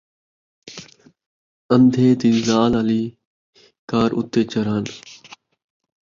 ان٘دھے دی ذال آلی کار اُتے چڑھݨ